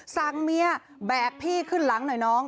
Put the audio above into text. สั่งเมียแบกพี่ขึ้นหลังหน่อยน้อง